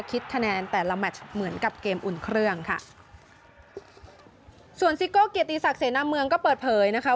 คิดคะแนนแต่ละแมชเหมือนกับเกมอุ่นเครื่องค่ะส่วนซิโก้เกียรติศักดิเสนาเมืองก็เปิดเผยนะคะ